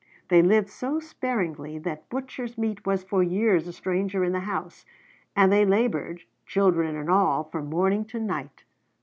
They lived so sparingly that butcher's meat was for years a stranger in the house, and they labored, children and all, from morning to night.